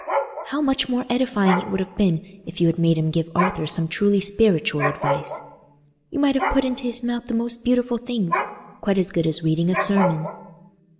"How much more edifying it would have been if you had made him give Arthur some truly spiritual advice! You might have put into his mouth the most beautiful things—quite as good as reading a sermon."